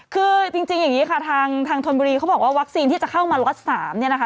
คือจริงอย่างนี้ค่ะทางธนบุรีเขาบอกว่าวัคซีนที่จะเข้ามาล็อต๓เนี่ยนะคะ